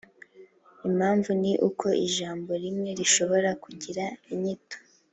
Impamvu ni uko ijambo rimwe rishobora kugira inyito